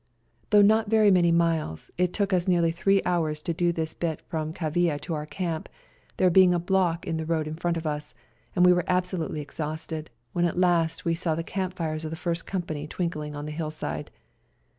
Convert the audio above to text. Though not very many miles, it took us nearly three hours to do this bit from Kavaia to our camp, there being a block on the road in front of us, and we were absolutely exhausted, when at last we saw the camp fires of the First Company twinkling on the hillside.